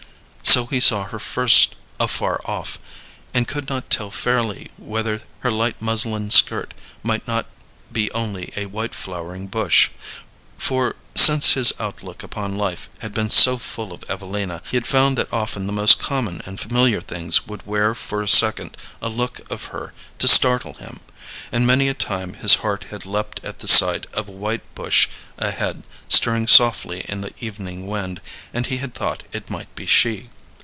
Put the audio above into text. So he saw her first afar off, and could not tell fairly whether her light muslin skirt might not be only a white flowering bush. For, since his outlook upon life had been so full of Evelina, he had found that often the most common and familiar things would wear for a second a look of her to startle him. And many a time his heart had leaped at the sight of a white bush ahead stirring softly in the evening wind, and he had thought it might be she.